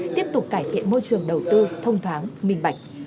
tiếp tục cải thiện môi trường đầu tư thông thoáng minh bạch